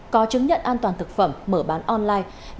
có chứng nhận an toàn thực phẩm mở bán online